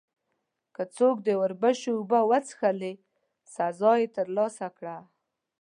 که څوک د اوربشو اوبه وڅښلې، سزا یې ترلاسه کړه.